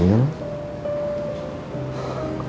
kita sudah siap